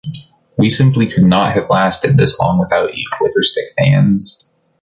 We simply could not have lasted this long without you, Flickerstick fans.